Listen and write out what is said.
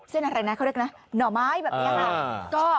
เส้นอะไรนะเขาเรียกนะหรอกไหมแบบนี้น่ะ